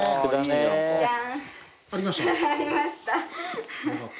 ありました？